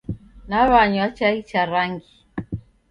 Naw'anywa chai cha rangi.